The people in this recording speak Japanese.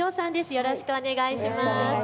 よろしくお願いします。